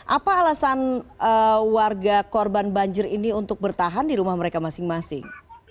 apa alasan warga korban banjir ini untuk bertahan di rumah mereka masing masing